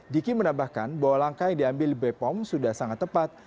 diki menambahkan bahwa langkah yang diambil bepom sudah sangat tepat